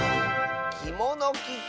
「きものきて」。